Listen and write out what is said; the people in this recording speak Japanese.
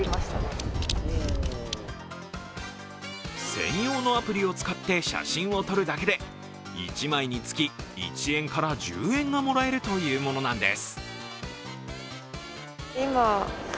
専用のアプリを使って写真を撮るだけで１枚につき１円から１０円がもらえるというものなんです。